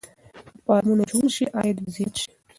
که فارمونه جوړ شي عاید به زیات شي.